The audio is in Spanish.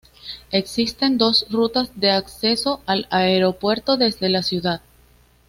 Existen dos rutas de acceso al aeropuerto desde la ciudad.